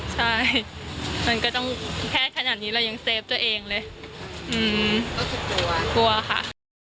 ใช่มันก็ต้องแค่ขนาดนี้เรายังเซฟตัวเองเลยรู้สึกกลัวกลัวค่ะ